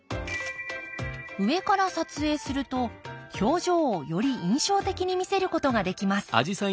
上から撮影すると表情をより印象的に見せることができます。